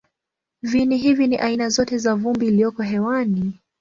Viini hivi ni aina zote za vumbi iliyoko hewani.